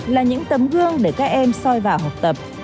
là những tấm gương để các em soi vào học tập